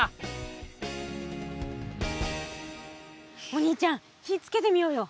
お兄ちゃん火つけてみようよ。